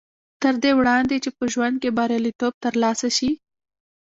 تر دې وړاندې چې په ژوند کې برياليتوب تر لاسه شي.